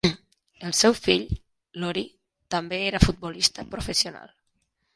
El seu fill, Laurie, també era futbolista professional.